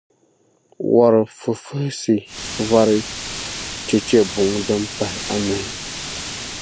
wɔr’ fufuhisi vɔri chɛchɛbuŋ’ din pah’ anahi.